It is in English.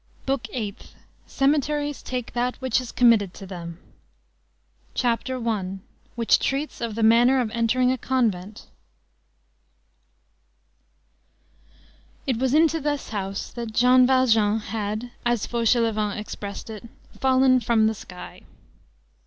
BOOK EIGHTH—CEMETERIES TAKE THAT WHICH IS COMMITTED THEM CHAPTER I—WHICH TREATS OF THE MANNER OF ENTERING A CONVENT It was into this house that Jean Valjean had, as Fauchelevent expressed it, "fallen from the sky."